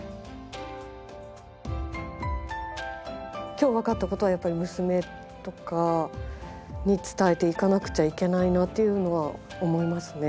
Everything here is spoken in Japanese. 今日分かったことはやっぱり娘とかに伝えていかなくちゃいけないなっていうのは思いますね。